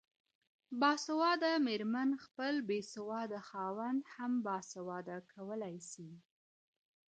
باسواده ميرمن خپل بيسواده خاوند هم باسواده کولای سي